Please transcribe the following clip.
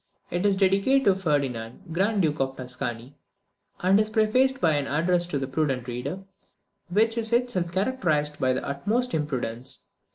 It is dedicated to Ferdinand, Grand Duke of Tuscany, and is prefaced by an "Address to the prudent reader," which is itself characterised by the utmost imprudence.